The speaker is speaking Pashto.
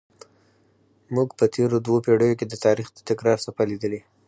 موږ په تېرو دوو پیړیو کې د تاریخ د تکرار څپه لیدلې.